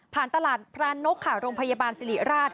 ผ่านตลาดพระนกข่าโรงพยาบาลสิริราช